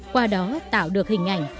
qua đó tạo được hình ảnh